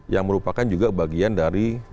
yang merupakan juga bagian dari